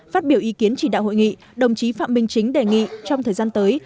phát biểu ý kiến chỉ đạo hội nghị đồng chí phạm minh chính đề nghị trong thời gian tới